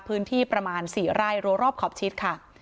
พื้นที่ประมาณ๔ไร่รัวรอบขอบชิดค่ะ